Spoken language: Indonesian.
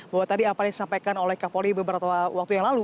bahwa tadi apa yang disampaikan oleh kapolri beberapa waktu yang lalu